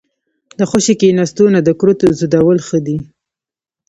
ـ د خوشې کېناستو نه د کرتو زدولو ښه دي.